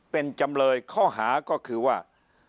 เป็นจำเลยข้อหาก็คือว่า